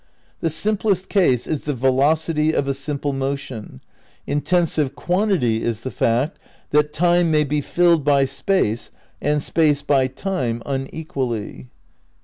The simplest case is the velocity of a simple motion ... intensive quantity is the fact that Time may be filled by Space and Space by Time unequally."